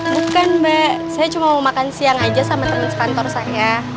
bukan mbak saya cuma mau makan siang aja sama teman sepantor saya